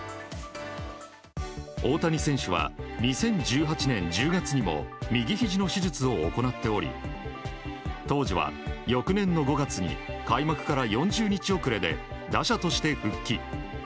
大谷選手は２０１８年１０月にも右ひじの手術を行っており当時は、翌年の５月に開幕から４０日遅れで打者として復帰。